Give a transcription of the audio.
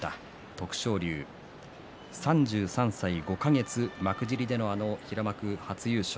徳勝龍、３３歳５か月幕尻での平幕初優勝。